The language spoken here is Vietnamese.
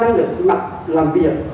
năng lực cạnh tranh